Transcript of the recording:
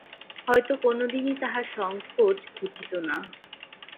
হয়তো কোনোদিনই তাহার সংকোচ ঘুচিত না।